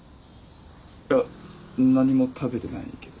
いや何も食べてないけど。